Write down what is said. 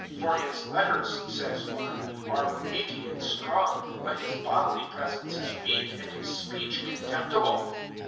(10)For his letters, says one, are weighty and strong; but his bodily presence is weak, and his speech contemptible.